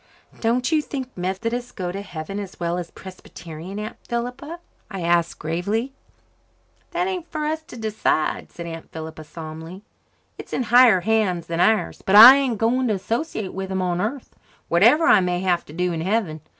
"Don't you think Methodists go to heaven as well as Presbyterians, Aunt Philippa?" I asked gravely. "That ain't for us to decide," said Aunt Philippa solemnly. "It's in higher hands than ours. But I ain't going to associate with them on earth, whatever I may have to do in heaven.